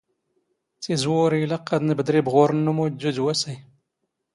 ⵜⵉⵣⵡⵓⵔⵉ ⵉⵍⴰⵇⵇ ⴰⴷ ⵏⴱⴷⵔ ⵉⴱⵖⵓⵔⵏ ⵏ ⵓⵎⵓⴷⴷⵓ ⴷ ⵡⴰⵙⴰⵢ.